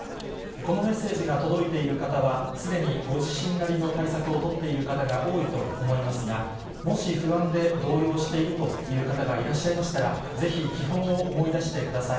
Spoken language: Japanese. このメッセージが届いている方は、すでにご自身なりの対策を取っている方が多いと思いますが、もし不安で動揺しているという方がいらっしゃいましたら、ぜひ基本を思い出してください。